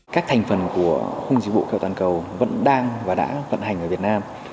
các thành phần của khung dịch vụ kẹo toàn cầu vẫn đang và đã vận hành ở việt nam